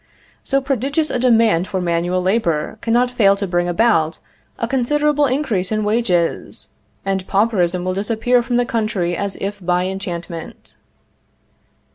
So prodigious a demand for manual labor cannot fail to bring about a considerable increase in wages; and pauperism will disappear from the country as if by enchantment.